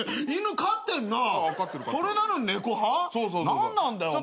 何なんだよ。